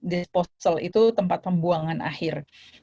disponsel itu tempat pembuangan akhir